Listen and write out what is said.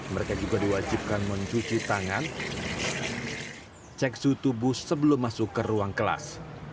mereka juga diwajibkan mencuci tangan cek suhu tubuh sebelum masuk ke ruang kelas